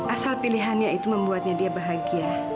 asal pilihannya itu membuatnya dia bahagia